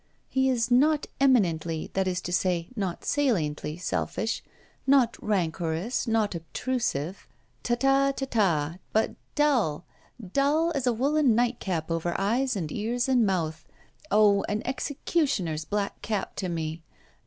He is not eminently, that is to say, not saliently, selfish; not rancorous, not obtrusive tata ta ta. But dull! dull as a woollen nightcap over eyes and ears and mouth. Oh! an executioner's black cap to me.